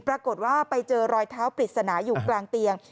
ปรากฏว่าไปเจอรอยเท้าปริศนาอยู่กลางเตียง